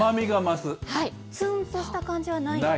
つんとした感じはない？